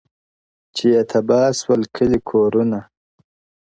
• چي یې تباه سول کلي کورونه ,